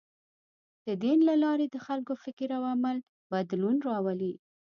د دین له لارې د خلکو فکر او عمل کې بدلون راولي.